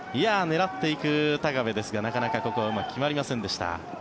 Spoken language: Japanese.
狙っていく高部ですがなかなかここはうまく決まりませんでした。